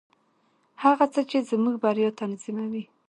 هغه څه چې زموږ بریا تضمینوي.